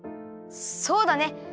そうだね。